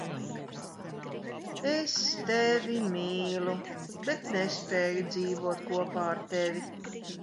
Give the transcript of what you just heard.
Es Tevi mīlu, bet nespēju dzīvot kopā ar Tevi!